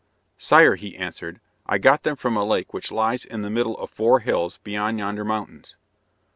"Sire," he answered, "I got them from a lake which lies in the middle of four hills beyond yonder mountains."